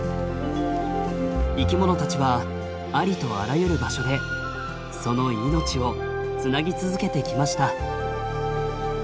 生きものたちはありとあらゆる場所でその命をつなぎ続けてきました。